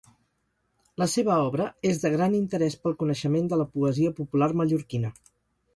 La seva obra és de gran interès pel coneixement de la poesia popular mallorquina.